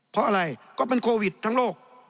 เพราะอะไรก็เป็นโควิดทั้งโลก